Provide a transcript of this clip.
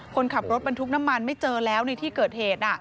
คนขับรถบรรทุกน้ำมันไม่เจอแล้วในที่เกิดเหตุ